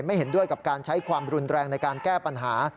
เห็นด้วยกับการใช้ความรุนแรงในการแก้ปัญหา